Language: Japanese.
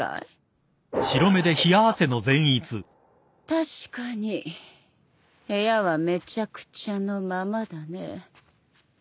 確かに部屋はめちゃくちゃのままだね。